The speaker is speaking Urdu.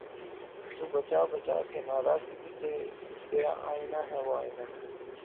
تو بچا بچا کے نہ رکھ اسے ترا آئنہ ہے وہ آئنہ